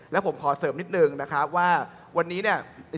แล้วผมขอเสริมนิดนึงนะครับว่าวันนี้เนี่ย